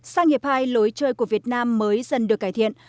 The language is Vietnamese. sang hiệp hai lối chơi của việt nam mới dần được cải thiện